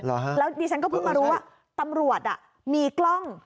หรือว่าครับเออใช่แล้วดีฉันก็พึ่งมารู้ว่าตำรวจน่ะมีกล้อง